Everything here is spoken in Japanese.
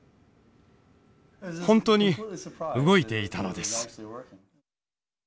本当に動いていたのです。